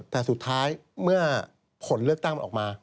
แต่สุดท้ายเมื่อผลเลือกตั้งมันออกมา